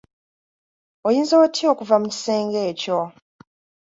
Oyinza otya okuva mu kisenge ekyo?